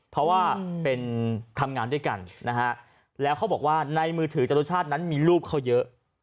เพราะว่าเป็นทำงานด้วยกันนะฮะแล้วเขาบอกว่าในมือถือจรุชาตินั้นมีรูปเขาเยอะ